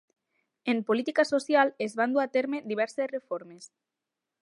En política social, es van dur a terme diverses reformes.